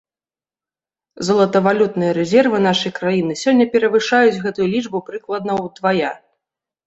Золатавалютныя рэзервы нашай краіны сёння перавышаюць гэтую лічбу прыкладна ўдвая.